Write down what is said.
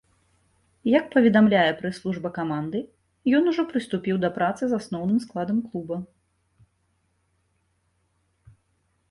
Як паведамляе прэс-служба каманды, ён ужо прыступіў да працы з асноўным складам клуба.